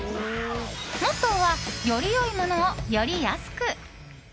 モットーはより良いものをより安く。